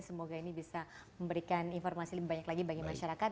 semoga ini bisa memberikan informasi lebih banyak lagi bagi masyarakat